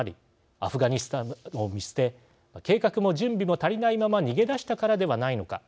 アフガニスタンを見捨て計画も準備も足りないまま逃げ出したからではないのか。